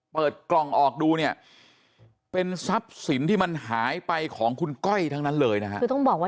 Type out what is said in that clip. เปิดกล่องออกดูเนี่ยเป็นทรัพย์สินที่มันหายไปของคุณก้อยทั้งนั้นเลยนะฮะคือต้องบอกว่า